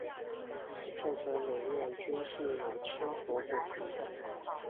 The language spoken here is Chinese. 上层每面均塑有千佛或菩萨。